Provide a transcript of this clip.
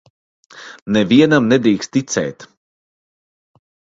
Nevienam nedrīkst ticēt.